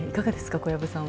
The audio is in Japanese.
小籔さんは。